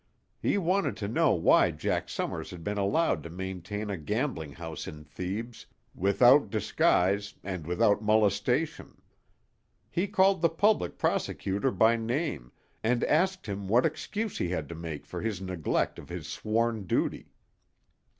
He wanted to know why Jack Summers had been allowed to maintain a gambling house in Thebes, without disguise and without molestation. He called the public prosecutor by name, and asked him what excuse he had to make for his neglect of his sworn duty.